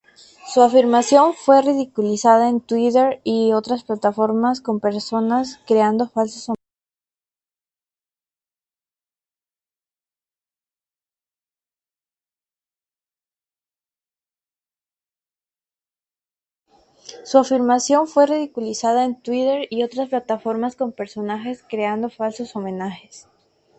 Su afirmación fue ridiculizada en Twitter y otras plataformas con personas creando falsos homenajes.